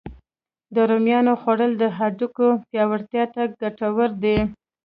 د رومیانو خوړل د هډوکو پیاوړتیا ته ګتور دی